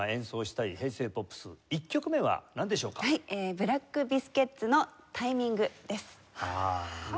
ブラック・ビスケッツの『Ｔｉｍｉｎｇタイミング』です。